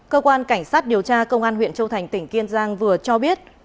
cơ quan cảnh sát điều tra công an huyện châu thành tỉnh kiên giang vừa cho biết